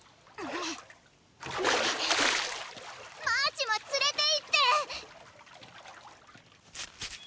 マーチもつれていって！